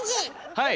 はい。